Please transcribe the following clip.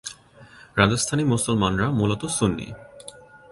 রাজস্থানী মুসলমানরা মূলত সুন্নি।